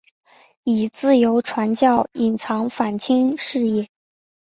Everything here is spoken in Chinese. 以自由传教隐藏反清事业。